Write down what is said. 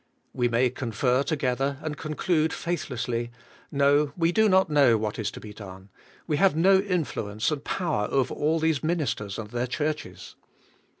^' We may confer together and conclude faithless!}', "No, we do not know what is to be done; we have no influence and power over all these ministers and their churches."